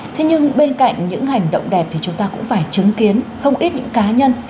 thế nhưng bên cạnh những hành động đẹp thì chúng ta cũng phải chứng kiến không ít những cá nhân